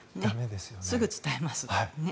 すぐ伝えます。